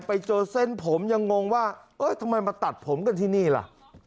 ไปเจอเส้นผมยังงงว่าเอ้ยทำไมมาตัดผมกันที่นี่ล่ะ